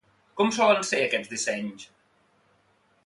Com solen ser aquests dissenys?